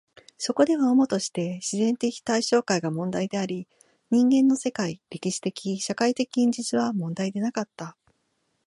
そこでは主として自然的対象界が問題であり、人間の世界、歴史的・社会的現実は問題でなかった。